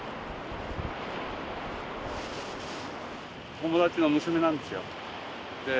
友達の娘なんですよ。